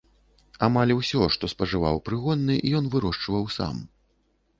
Амаль усё, што спажываў прыгонны, ён вырошчваў сам.